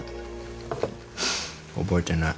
覚えてない。